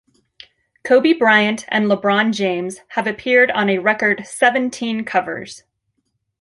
Kobe Bryant and LeBron James have appeared on a record seventeen covers.